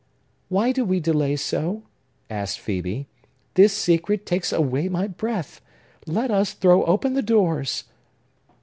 "Why do we delay so?" asked Phœbe. "This secret takes away my breath! Let us throw open the doors!"